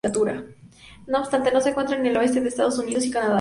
No obstante, no se encuentran en el oeste de Estados Unidos y Canadá.